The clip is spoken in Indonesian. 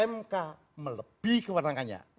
mk melebihi kewenangannya